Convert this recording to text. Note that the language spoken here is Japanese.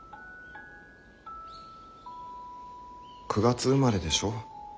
９月生まれでしょ。